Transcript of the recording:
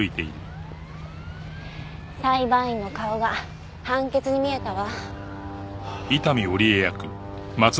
裁判員の顔が判決に見えたわ。